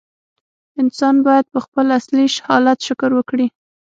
انسان باید په خپل اصلي حالت شکر وکړي.